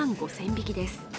匹です。